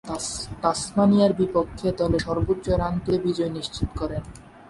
তাসমানিয়ার বিপক্ষে দলের সর্বোচ্চ রান তুলে বিজয় নিশ্চিত করেন।